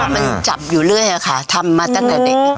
มันจับอยู่เรื่อยค่ะทำมาตั้งแต่เด็ก